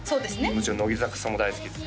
もちろん乃木坂さんも大好きです